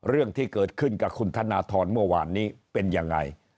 เรื่องที่เกิดขึ้นกับคุณธนทรเมื่อวานนี้เป็นยังไง